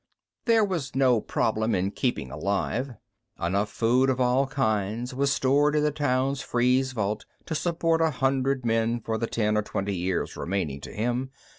_ There was no problem in keeping alive. Enough food of all kinds was stored in the town's freeze vault to support a hundred men for the ten or twenty years remaining to him.